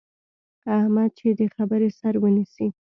احمد چې د خبرې سر ونیسي،